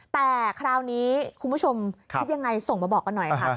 แต่คราวนี้คุณผู้ชมคิดยังไงส่งมาบอกกันหน่อยค่ะ